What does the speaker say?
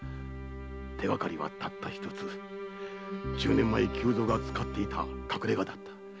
手がかりはたった一つ十年前久蔵が使っていた隠れ家だった。